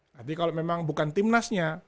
tapi kalau memang bukan tim nas nya